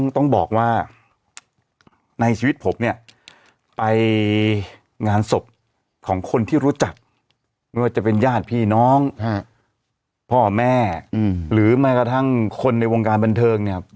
ต้องบอกว่าในชีวิตผมเนี่ยไปงานศพของคนที่รู้จักไม่ว่าจะเป็นญาติพี่น้องพ่อแม่หรือแม้กระทั่งคนในวงการบันเทิงเนี่ย